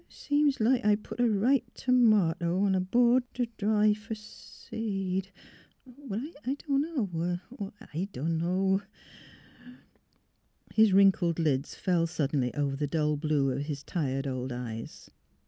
... Seems like, I put a ripe t'mato on a board t' — t' dry — fer seed; but I dunno — I dunno " His wrinkled lids fell suddenly over the dull blue of his tired old eyes.